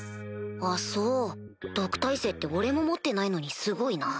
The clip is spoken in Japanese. あっそう毒耐性って俺も持ってないのにすごいな。